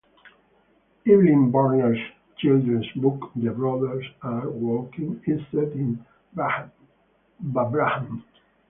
Evelyn Barnard's children's book "The Brothers Are Walking" is set in Babraham.